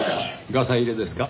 ガサ入れですか？